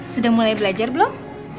sudah mulai belajar belum